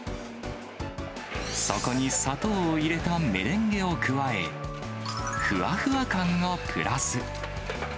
そこに砂糖を入れたメレンゲを加え、ふわふわ感をプラス。